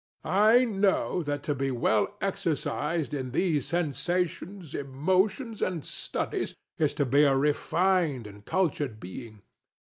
I know that to be well exercised in these sensations, emotions, and studies is to be a refined and cultivated being.